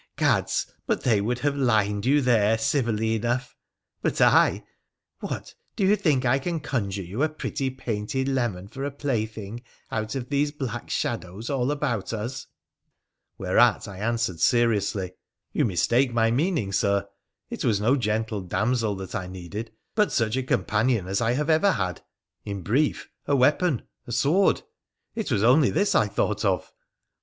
Gads ! but they would have lined you there civilly enough, but I What, do you think I can conjure you a pretty, painted leman for a plaything out of these black shadows all about us ?' Whereat I answered seriously, ' You mistake my meaning, Sir. It was no gentle damsel that I needed, but such a com panion as I have ever had — in brief, a weapon, a sword. It was only this I thought of.'